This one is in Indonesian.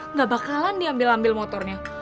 nggak bakalan diambil ambil motornya